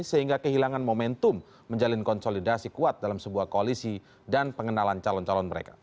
sehingga kehilangan momentum menjalin konsolidasi kuat dalam sebuah koalisi dan pengenalan calon calon mereka